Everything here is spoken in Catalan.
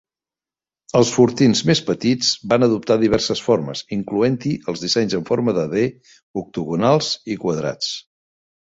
Els fortins més petits van adoptar diverses formes, incloent-hi els dissenys amb forma de D, octogonals i quadrats.